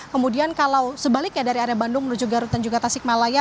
kemudian kalau sebaliknya dari area bandung menuju garut dan juga tasikmalaya